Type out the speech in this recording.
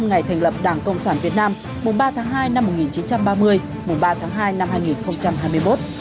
ngày thành lập đảng công sản việt nam ba tháng hai năm một nghìn chín trăm ba mươi ba tháng hai năm hai nghìn hai mươi một